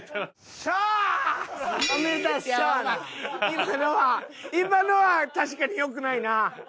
今のは今のは確かによくないな。